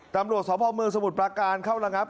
ตำรวจสภาพมือสมุทรประการเข้าละครับ